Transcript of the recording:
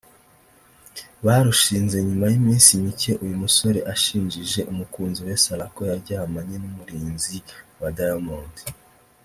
Barushinze nyuma y'iminsi mike uyu musore ashinjije umukunzi we Sarah ko yaryamanye n'umurinzi wa Diamond